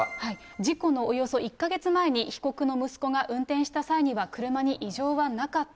事故のおよそ１か月前に被告の息子が運転した際には車に異常はなかった。